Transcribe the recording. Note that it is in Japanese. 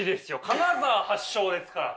金沢発祥ですから。